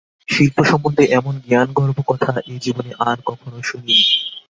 শিল্পসম্বন্ধে এমন জ্ঞানগর্ভ কথা এ জীবনে আর কখনও শুনিনি।